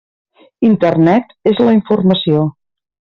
Internet és la informació.